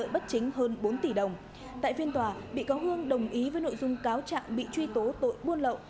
bất chính hơn bốn tỷ đồng tại phiên tòa bị cáo hương đồng ý với nội dung cáo trạng bị truy tố tội buôn lậu